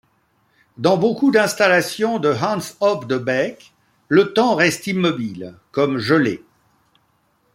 Dans beaucoup d’installations de Hans Op de Beeck le temps reste immobile, comme gêlé.